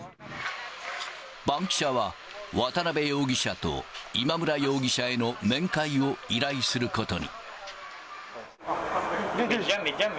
バンキシャは、渡辺容疑者と今村容疑者への面会を依頼することに。